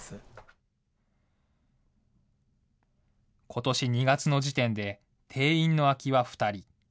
ことし２月の時点で、定員の空きは２人。